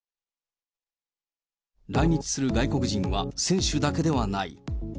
来日する外国人は選手だけではない。